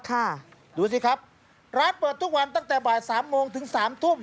ค่ะดูสิครับร้านเปิดทุกวันตั้งแต่บ่ายสามโมงถึงสามทุ่ม